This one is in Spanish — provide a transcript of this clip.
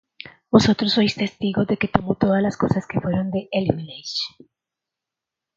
Vosotros sois hoy testigos de que tomo todas las cosas que fueron de Elimelech.